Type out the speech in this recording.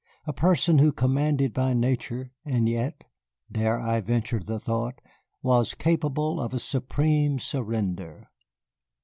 A person who commanded by nature and yet (dare I venture the thought?) was capable of a supreme surrender.